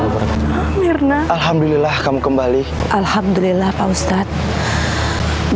badillah saya turut berduka cita atas menikmati